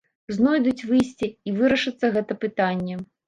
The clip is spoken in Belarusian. Знойдуць выйсце, і вырашыцца гэта пытанне.